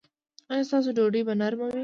ایا ستاسو ډوډۍ به نرمه وي؟